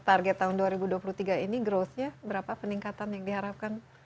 target tahun dua ribu dua puluh tiga ini growth nya berapa peningkatan yang diharapkan